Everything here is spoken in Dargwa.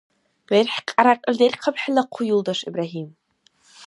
ВерхӀкьярякьли дерхъаб хӀела хъу, юлдаш Ибрагьим!